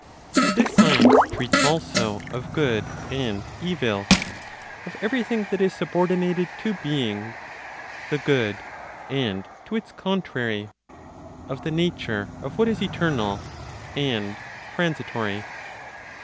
This science treats also of good and evil; of everything that is subordinated to (being), the Good, and to its contrary; of the nature of what is eternal, and transitory.